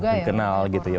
dikenal gitu ya